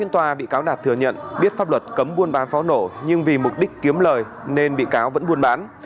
thừa nhận biết pháp luật cấm buôn bán pháo nổ nhưng vì mục đích kiếm lời nên bị cáo vẫn buôn bán